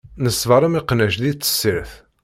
Neṣber am iqnac di tessirt.